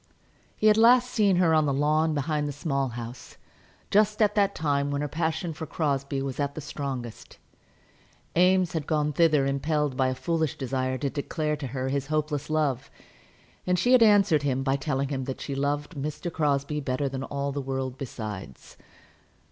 He had last seen her on the lawn behind the Small House, just at that time when her passion for Crosbie was at the strongest. Eames had gone thither impelled by a foolish desire to declare to her his hopeless love, and she had answered him by telling him that she loved Mr. Crosbie better than all the world besides.